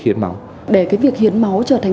hiến máu để cái việc hiến máu trở thành